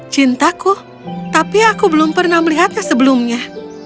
cintaku tapi aku belum pernah melihatnya sebelumnya